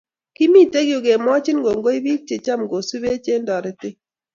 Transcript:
kimite yue kemwochin kongoi biik checham kosubech eng' torete